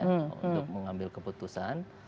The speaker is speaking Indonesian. untuk mengambil keputusan